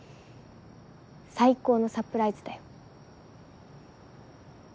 最高のサプライズだよ。